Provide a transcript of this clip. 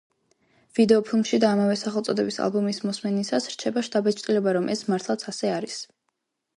ვიდეოფილმში და ამავე სახელწოდების ალბომის მოსმენისას, რჩება შთაბეჭდილება, რომ ეს მართლაც ასე არის.